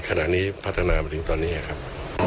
ขณะนี้พัฒนามาถึงตอนนี้ครับ